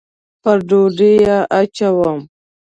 پر ډوډۍ یې اچوم